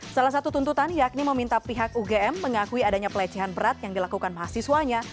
salah satu tuntutan yakni meminta pihak ugm mengakui adanya pelecehan berat yang dilakukan mahasiswanya